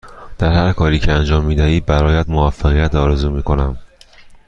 در هرکاری که انجام می دهی برایت موفقیت آرزو می کنم.